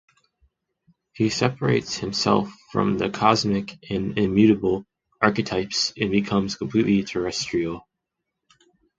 He separates himself from the cosmic and immutable archetypes and becomes completely terrestrial.